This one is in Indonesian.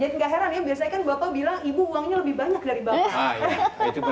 jadi nggak heran ya biasanya kan bapak bilang ibu uangnya lebih banyak dari bapak